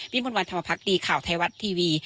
วิกวัลวันธรรมพรรคดีข่าวไทยวัดทีวี